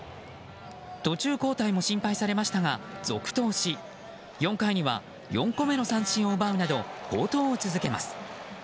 途中交代も心配されましたが続投し４回には４個目の三振を奪うなど好投を続けます。